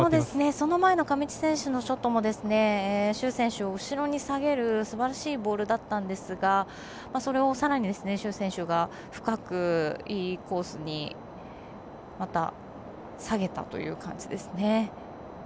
その前の上地選手のショットも朱選手、後ろに下げるすばらしいボールでしたがそれをさらに朱選手が深くいいコースにまた下げたという感じですね。